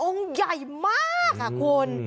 ใหญ่มากค่ะคุณ